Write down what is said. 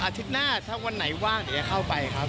อาทิตย์หน้าถ้าวันไหนว่างเดี๋ยวเข้าไปครับ